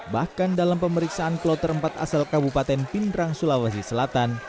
bahkan dalam pemeriksaan kloter empat asal kabupaten pindrang sulawesi selatan